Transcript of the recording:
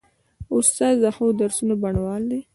استاد د ښو درسونو بڼوال دی.